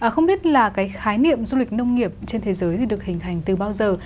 không biết là cái khái niệm du lịch nông nghiệp trên thế giới thì được hình thành từ bao giờ